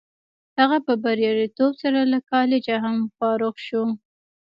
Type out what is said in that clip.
هغه په بریالیتوب سره له کالجه هم فارغ شو